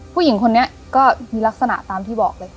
ผู้หญิงคนนี้ก็มีลักษณะตามที่บอกเลย